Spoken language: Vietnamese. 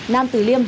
nam tử liêu